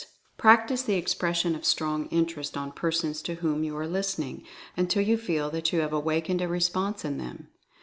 Practice the expression of Strong Interest on persons to whom you are listening, until you feel that you have awakened a response in them.